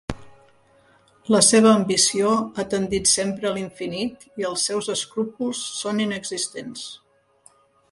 La seva ambició ha tendit sempre a l'infinit i els seus escrúpols són inexistents.